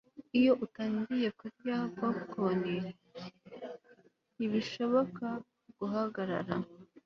Iyo utangiye kurya popcorn ntibishoboka guhagarara